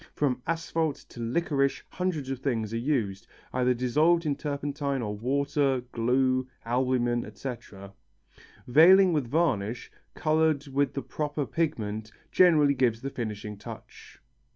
From asphalt to liquorice hundreds of things are used, either dissolved in turpentine or water, glue, albumen, etc. Veiling with varnish, coloured with the proper pigment, generally gives the finishing touch.